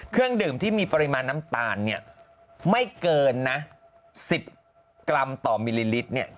เครื่องดื่มที่มีปริมาณน้ำตาลเนี่ยไม่เกินนะ๑๐กรัมต่อมิลลิลิตรเนี่ย